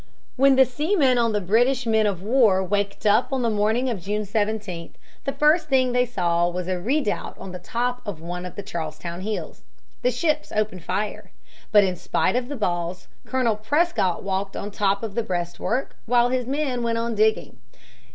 When the seamen on the British men of war waked up on the morning of June 17, the first thing they saw was a redoubt on the top of one of the Charlestown hills. The ships opened fire. But in spite of the balls Colonel Prescott walked on the top of the breastwork while his men went on digging.